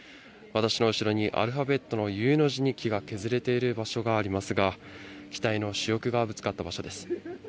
私の後ろにアルファベットの「Ｕ」の字に木が削れている場所がありますが、機体の主翼がぶつかった場所です。